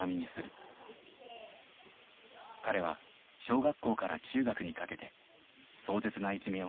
彼は小学校から中学にかけて壮絶ないじめを経験した。